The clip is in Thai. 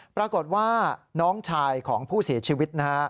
ปรากฏว่าน้องชายของผู้เสียชีวิตนะฮะ